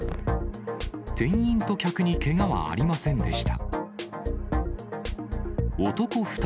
店員と客にけがはありませんでした。